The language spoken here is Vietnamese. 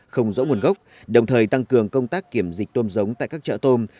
không rõ nguồn gốc đồng thời tăng cường công tác kiểm dịch tôm giống tại các chợ tôm